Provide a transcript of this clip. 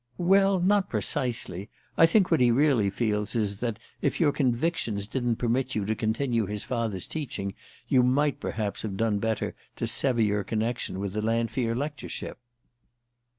"Well, not precisely: I think what he really feels is that, if your convictions didn't permit you to continue his father's teaching, you might perhaps have done better to sever your connection with the Lanfear lectureship."